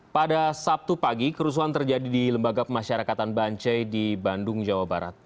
pada sabtu pagi kerusuhan terjadi di lembaga pemasyarakatan bancai di bandung jawa barat